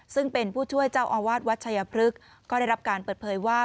ซึ่งเป็นผู้ช่วยเจ้าอาวาสวัดชายพฤกษ์ก็ได้รับการเปิดเผยว่า